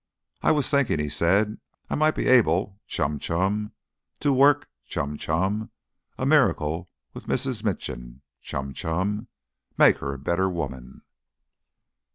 "I was thinking," he said, "I might be able (chum, chum) to work (chum, chum) a miracle with Mrs. Minchin (chum, chum) make her a better woman."